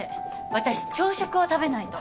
私朝食を食べないと。